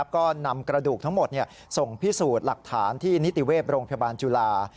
ก็นำกระดูกทั้งหมดส่งพิสูจน์หลักฐานที่นิติเวศโรงพยาบาลจุฬา